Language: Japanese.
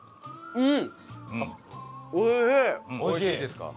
うん。